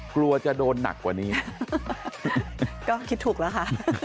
กลัวจะโดนหนักกว่านี้ก็คิดถูกแล้วค่ะ